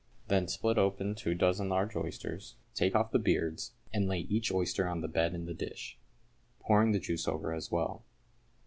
Then split open two dozen large oysters, take off the beards, and lay each oyster on the bed in the dish, pouring the juice over as well.